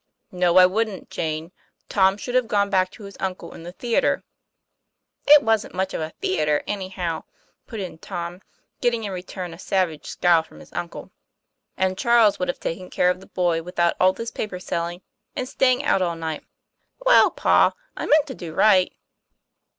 "" No, I wouldn't, Jane. Tom should have gone back to his uncle in the theatre " "It wasn't much of a theatre, anyhow," put in Tom, getting in return a savage scowl from his uncle. " And Charles would have taken care of the boy without all this paper selling and staying out all night." "Well, pa, I meant to do right."